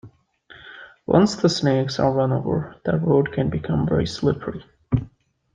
Once the snakes are run over, the road can become very slippery.